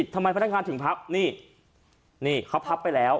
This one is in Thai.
ทำไมพนักงานถึงพับนี่นี่เขาพับไปแล้ว